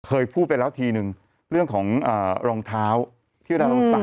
เคยพูดไปแล้วทีนึงเรื่องของรองเท้าที่เราสั่ง